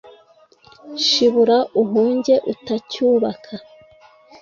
shibura uhunge utacyubaka,